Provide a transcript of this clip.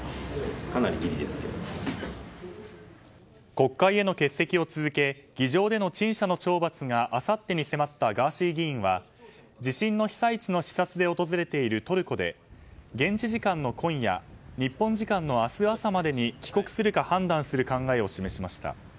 国会への欠席を続け議場での陳謝の懲罰があさってに迫ったガーシー議員は地震の被災地の視察で訪れているトルコで現地時間の今夜日本時間の明日朝までに帰国するか判断する考えを示しました。